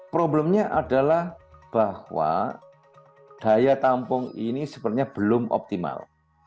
problemnya adalah bahwa daya tampung ini sebenarnya belum optimal